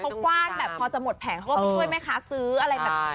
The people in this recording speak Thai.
เขากว้านแบบพอจะหมดแผงเขาก็ไปช่วยแม่ค้าซื้ออะไรแบบ